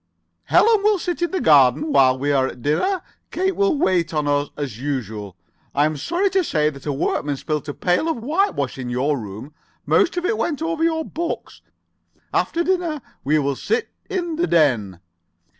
"Ellen will sit in the garden while we are at dinner. Kate will wait on us as usual. I am sorry to say that a workman spilt a pail of whitewash in your room. Most of it went over your books. After dinner we will sit in the den."